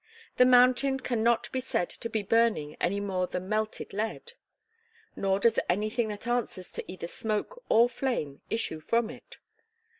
The mountain can not be said to be burning any more than melted lead. Nor does anything that answers to either smoke or flame issue from it.